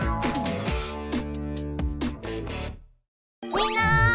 みんな！